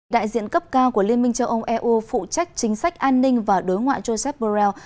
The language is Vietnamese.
đại diện cấp cao của liên minh châu âu eu phụ trách chính sách an ninh và đối ngoại joseph borrell